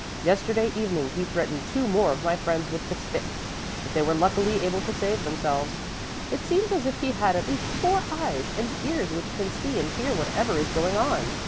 Yesterday evening he threatened two more of my friends with the stick, but they were luckily able to save themselves. It seems as if he had at least four eyes and ears which can see and hear whatever is going on.